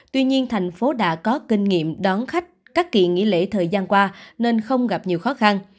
tuy nhiên thành phố đã có kinh nghiệm đón khách các kỳ nghỉ lễ thời gian qua nên không gặp nhiều khó khăn